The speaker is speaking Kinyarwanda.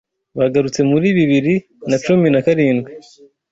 bagarutse muri bibiri nacumi nakarindwi